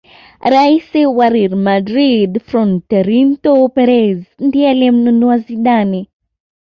rais wa real madrid Frorentino Perez ndiye aliyemnunua Zidane